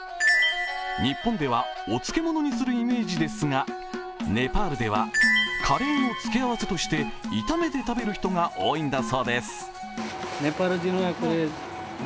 日本ではお漬物にするイメージですが、ネパールでは、カレーの付け合わせとして炒めて食べる人が多いんだそうです。